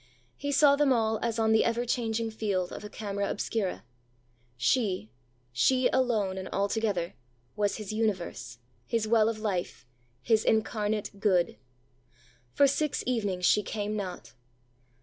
He saw them all as on the ever changing field of a camera obscura. Sheãshe alone and altogetherãwas his universe, his well of life, his incarnate good. For six evenings she came not.